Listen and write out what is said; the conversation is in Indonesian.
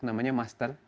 namanya masjid terminal